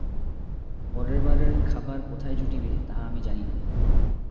পরের বারের খাবার কোথায় জুটিবে, তাহা আমি জানি না।